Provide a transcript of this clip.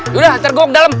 yaudah hantar gue ke dalam